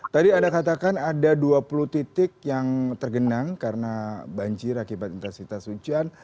tadi anda katakan ada dua puluh titik yang tergenang karena banjir akibat intensitas hujan